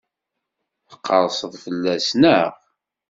Tqerrseḍ fell-as, naɣ?